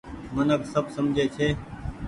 منک سب سمجهي ڇي۔